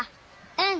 うん。